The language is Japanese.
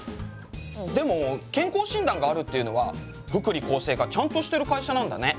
でも健康診断があるっていうのは福利厚生がちゃんとしてる会社なんだね。